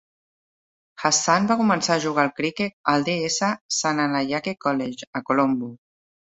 Hashan va començar a jugar al criquet al D. S. Senanayake College, a Colombo.